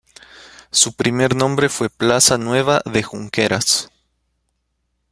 Su primer nombre fue plaza Nueva de Junqueras.